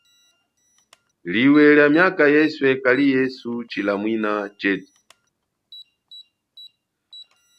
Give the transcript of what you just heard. Liwe lia miaka yeswe kali yesu tshilamwina chetu.